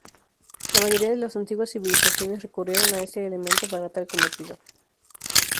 La mayoría de las antiguas civilizaciones recurrieron a este elemento para tal cometido.